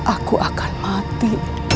aku akan mati